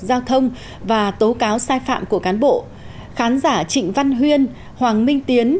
giao thông và tố cáo sai phạm của cán bộ khán giả trịnh văn huyên hoàng minh tiến